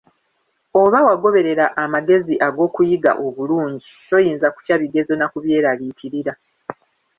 Oba wagoberera amagezi ag'okuyiga obulungi, toyinza kutya bigezo na kubyeraliikira.